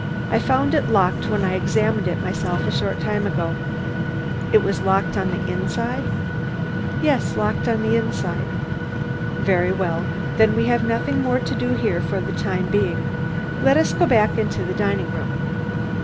"I found it locked when I examined it myself a short time ago." "It was locked on the inside?" "Yes, locked on the inside." "Very well. Then we have nothing more to do here for the time being. Let us go back into the dining room."